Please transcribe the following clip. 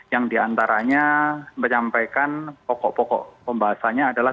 yang diantaranya menyampaikan pokok pokok pembahasannya adalah